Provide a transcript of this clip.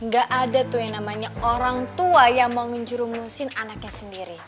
gak ada tuh yang namanya orang tua yang mau ngejurumusin anaknya sendiri